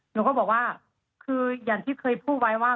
หนูก็บอกว่าคืออย่างที่เคยพูดไว้ว่า